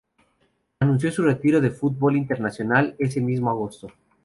Anunció su retiro del fútbol internacional ese mismo agosto.